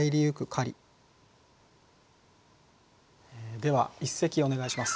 では一席お願いします。